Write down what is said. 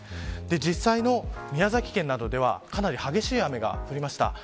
実際の宮崎県などではかなり激しい雨が降りました。